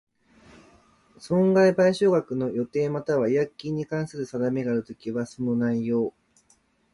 損害賠償額の予定又は違約金に関する定めがあるときは、その内容